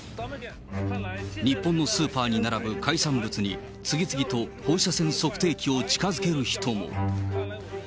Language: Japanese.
日本のスーパーに並ぶ海産物に、次々と放射線測定器を近づける人も。